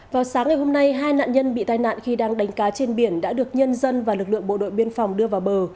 vào sáng ngày hôm nay hai nạn nhân bị tai nạn khi đang đánh cá trên biển đã được nhân dân và lực lượng bộ đội biên phòng đưa vào bờ